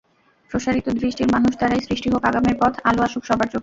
প্রসারিত দৃষ্টির মানুষ দ্বারাই সৃষ্টি হোক আগামীর পথ, আলো আসুক সবার চোখে।